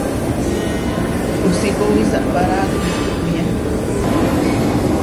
Kusikowí saʼpára kusí huyá.